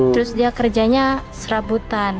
terus dia kerjanya serabutan